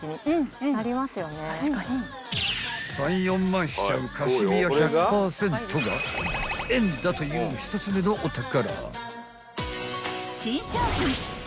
［３４万しちゃうカシミヤ１００％が円だという１つ目のお宝］